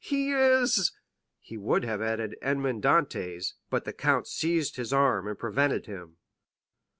He is——" He would have added "Edmond Dantès," but the count seized his arm and prevented him.